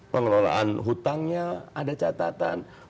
pengelolaan hutangnya ada catatan